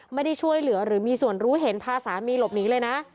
ไม่ได้ช่วยเหลือหรือมีส่วนรู้เห็นพาสามีหลบหนีเลยนะ